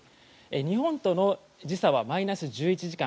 日本との時差はマイナス１１時間。